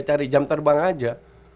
cari jam terbang aja